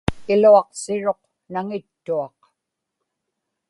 iluaqsiruq naŋittuaq